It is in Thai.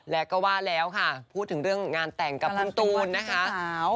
แล้วก็ว่าแล้วค่ะพูดถึงเรื่องงานแต่งกับคุณตูนนะคะ